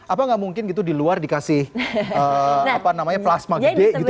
apa nggak mungkin gitu di luar dikasih apa namanya plasma gede gitu